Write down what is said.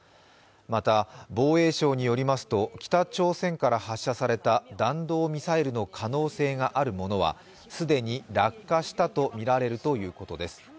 また、防衛省によりますと、北朝鮮から発射された弾道ミサイルの可能性があるものは既に落下したとみられるということです。